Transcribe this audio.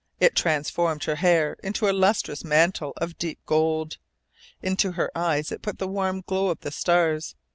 It transformed her hair into a lustrous mantle of deep gold; into her eyes it put the warm glow of the stars.